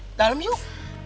di dalam yuk